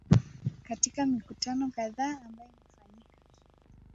katika mikutano kadhaa ambayo imefanyika